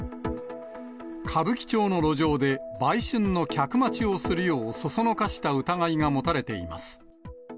歌舞伎町の路上で売春の客待ちをするよう唆した疑いが持たれています。